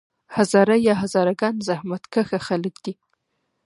هزاره یا هزاره ګان زحمت کښه خلک دي.